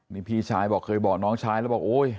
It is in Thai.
นี่พี่ชายบอกเคยบอกน้องชายแล้วบอกโอ๊ย